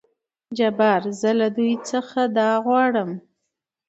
جبار : زه له دوي څخه دا غواړم.